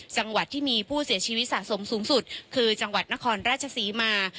จังหวัดที่มีผู้เสียชีวิตสะสมสูงสุดคือจังหวัดนครราชศรีมา